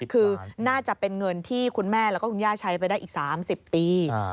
คือน่าจะเป็นเงินที่คุณแม่แล้วก็คุณย่าใช้ไปได้อีก๓๐ปี